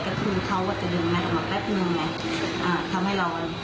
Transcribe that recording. ก็คือเขาจะดึงแม็กซ์ออกมาแป๊บหนึ่งไหมอ่ะทำให้เรามัน